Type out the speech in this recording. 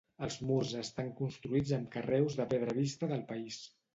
Els murs estan construïts amb carreus de pedra vista del país.